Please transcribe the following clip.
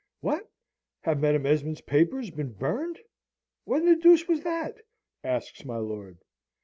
"What, have Madam Esmond's papers been burned? When the deuce was that?" asks my lord.